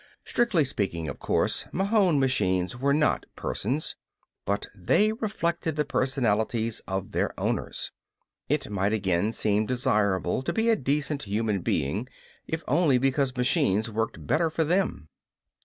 Strictly speaking, of course, Mahon machines were not persons. But they reflected the personalities of their owners. It might again seem desirable to be a decent human being if only because machines worked better for them.